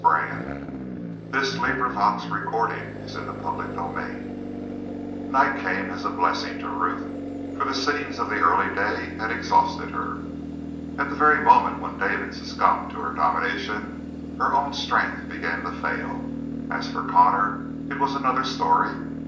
In the morning, Ruth, we shall start!" CHAPTER THIRTY TWO Night came as a blessing to Ruth, for the scenes of the early day had exhausted her. At the very moment when David succumbed to her domination, her own strength began to fail. As for Connor, it was another story.